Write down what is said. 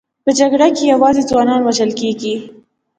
په جګړه کې یوازې ځوانان وژل کېږي